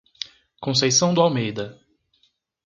Conceição do Almeida